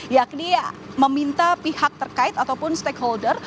yakni meminta pihak terkait ataupun stakeholder